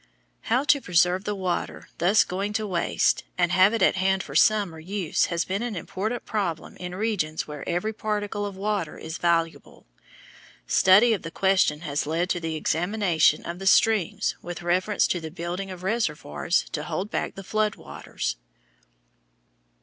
How to preserve the water thus going to waste and have it at hand for summer use has been an important problem in regions where every particle of water is valuable. Study of the question has led to the examination of the streams with reference to the building of reservoirs to hold back the flood waters.